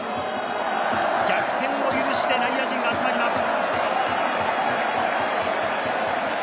逆転を許して内野陣が集まります。